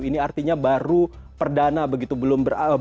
ini artinya baru perdana begitu